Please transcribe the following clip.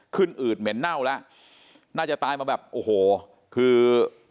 อืดเหม็นเน่าแล้วน่าจะตายมาแบบโอ้โหคือ